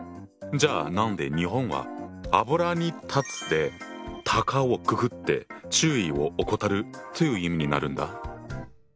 じゃあ何で日本は油に断つで「たかをくくって注意を怠る」という意味になるんだ？